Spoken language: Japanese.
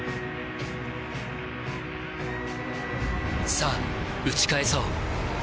さぁ打ち返そう